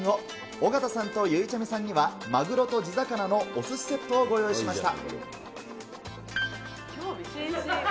尾形さんとゆいちゃみさんには、マグロと地魚のおすしセットをご用意しました。